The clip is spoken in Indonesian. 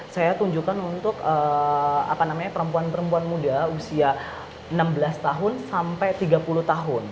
saya tunjukkan untuk perempuan perempuan muda usia enam belas tahun sampai tiga puluh tahun